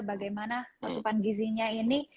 bagaimana masukan gisinya ini